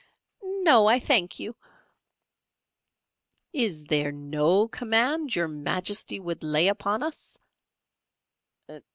"No, I thank you." "Is there no command Your Majesty would lay upon us?"